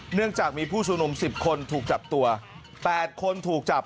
เนื่องจากมีผู้ชุมนุม๑๐คนถูกจับตัว๘คนถูกจับ